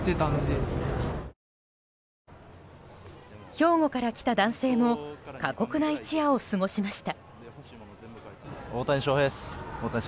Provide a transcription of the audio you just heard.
兵庫から来た男性も過酷な一夜を過ごしました。